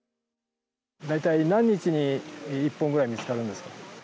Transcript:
大体何日に１本ぐらい見つかるんですか？